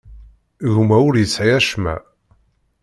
Gma ur yesɛi acemma.